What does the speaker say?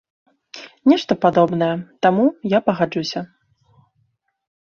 Нешта падобнае, таму, я пагаджуся.